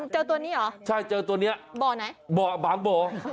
เจอตัวนี้เหรอใช่เจอตัวเนี้ยบ่อไหนบ่อบางบ่อ